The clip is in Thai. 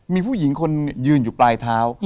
มีผู้หญิงคนยืนอยู่ปลายเท้า